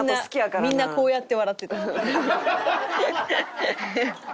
みんなこうやって笑ってた。